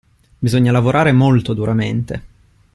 Bisogna lavorare molto duramente.